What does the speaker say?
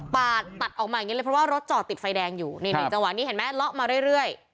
ตัดตัดออกมาอย่างนี้เลยเพราะว่ารถจอดติดไฟแดงอยู่นี่จังหวะนี้เห็นไหมเลาะมาเรื่อย